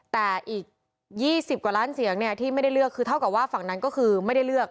แต่อีก๒๐กว่าล้านเสียงเนี่ยที่ไม่ได้เลือกคือเท่ากับว่าฝั่งนั้นก็คือไม่ได้เลือก